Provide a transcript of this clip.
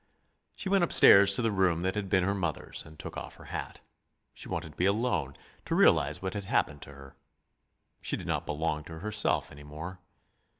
She went upstairs to the room that had been her mother's, and took off her hat. She wanted to be alone, to realize what had happened to her. She did not belong to herself any more.